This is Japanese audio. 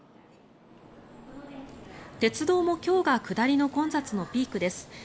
鉄道も今日が下りの混雑のピークです。